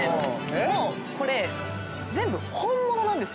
もうこれ全部本物なんですよ。